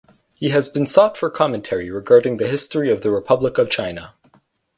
He has been sought for commentary regarding the history of the Republic of China.